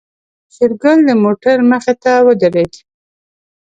شېرګل د موټر مخې ته ودرېد.